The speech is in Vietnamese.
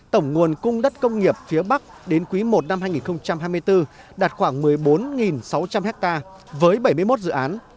tổng nguồn cung đất công nghiệp phía bắc đến quý i năm hai nghìn hai mươi bốn đạt khoảng một mươi bốn sáu trăm linh ha với bảy mươi một dự án